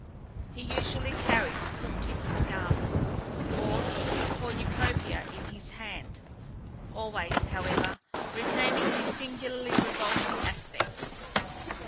He usually carries fruit in his garments or a cornucopia in his hand, always, however, retaining his singularly revolting aspect.